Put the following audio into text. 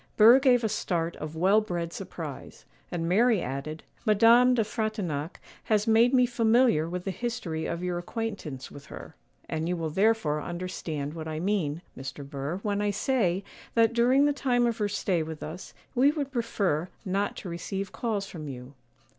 Burr gave a start of well bred surprise; and Mary added:— 'Madame de Frontignac has made me familiar with the history of your acquaintance with her; and you will therefore understand what I mean, Mr. Burr, when I say that, during the time of her stay with us, we would prefer not to receive calls from you.